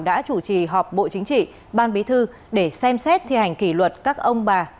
đã chủ trì họp bộ chính trị ban bí thư để xem xét thi hành kỷ luật các ông bà